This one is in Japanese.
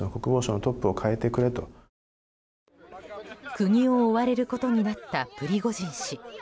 国を追われることになったプリゴジン氏。